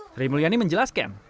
sri mulyani menjelaskan